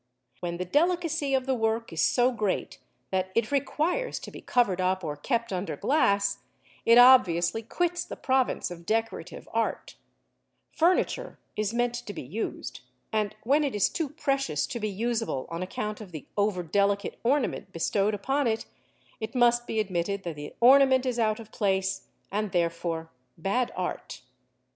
When the delicacy of the work is so great that it requires to be covered up or kept under glass, it obviously quits the province of decorative art; furniture is meant to be used, and when it is too precious to be usable on account of the over delicate ornament bestowed upon it, it must be admitted that the ornament is out of place, and, therefore, bad art.